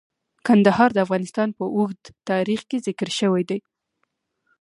کندهار د افغانستان په اوږده تاریخ کې ذکر شوی دی.